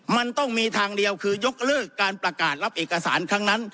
มันต้องมีทางเดียวคือยกเลิกการประกาศรับเอกสารครั้งนั้น